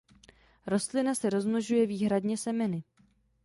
Rostlina se rozmnožuje výhradně semeny.